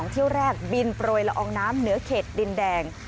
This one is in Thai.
เที่ยวแรกบินโปรยละอองน้ำเหนือเขตดินแดง